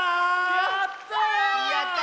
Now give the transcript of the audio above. やった！